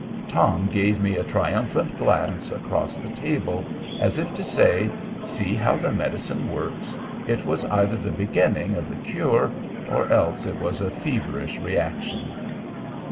Tom gave me a triumphant glance across the table, as if to say, See how the medicine works! It was either the beginning of the cure, or else it was a feverish reaction.